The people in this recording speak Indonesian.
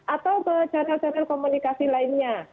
atau ke channel channel komunikasi lainnya